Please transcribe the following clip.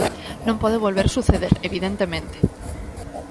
Non pode volver suceder, evidentemente.